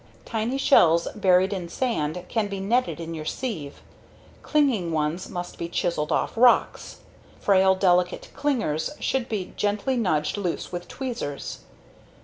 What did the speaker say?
Tiny shells buried in sand can be netted in your sieve. Clinging ones must be chiseled off rocks. Frail, delicate clingers should be gently nudged loose with tweezers.